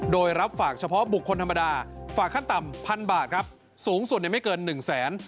โดยรับฝากเฉพาะบุคคลธรรมดาฝากขั้นต่ำพันบาทครับสูงสุดไม่เกิน๑แสน